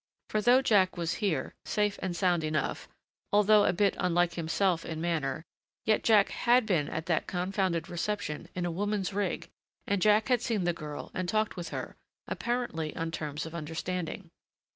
For though Jack was here, safe and sound enough, although a bit unlike himself in manner, yet Jack had been at that confounded reception in a woman's rig and Jack had seen the girl and talked with her apparently on terms of understanding.